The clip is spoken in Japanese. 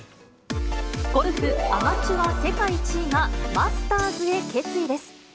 ゴルフ、アマチュア世界１位がマスターズへ決意です。